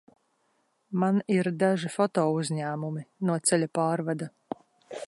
Man ir daži fotouzņēmumi no ceļa pārvada.